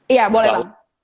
iya boleh bang